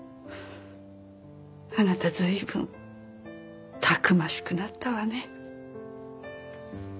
あなたずいぶんたくましくなったわね。